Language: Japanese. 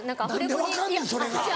何で分かんねんそれが。